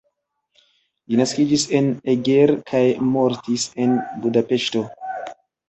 Li naskiĝis en Eger kaj mortis en Budapeŝto.